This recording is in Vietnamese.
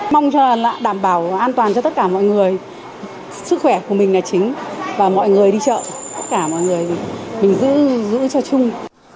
mong cho là đảm bảo an toàn cho tất cả mọi người sức khỏe của mình là chính và mọi người đi chợ tất cả mọi người mình giữ cho chung